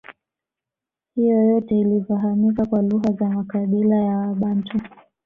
Hiyo yote ilifahamika kwa lugha za makabila ya wabantu